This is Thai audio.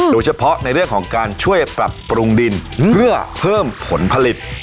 ท่านการเกษตร